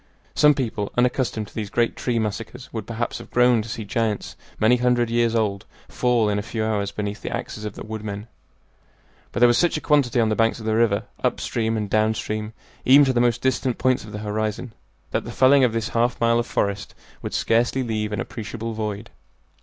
Some people unaccustomed to these great tree massacres would perhaps have groaned to see giants many hundred years old fall in a few hours beneath the axes of the woodmen; but there was such a quantity on the banks of the river, up stream and down stream, even to the most distant points of the horizon, that the felling of this half mile of forest would scarcely leave an appreciable void.